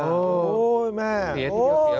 โอ้โหแม่โอ้โห